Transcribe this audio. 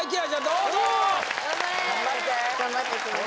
どうぞ頑張ってきます